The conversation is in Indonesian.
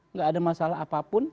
tidak ada masalah apapun